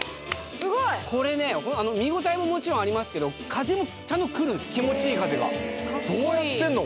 すごいこれね見応えももちろんありますけど風もちゃんと来るんす気持ちいい風がどうやってんの？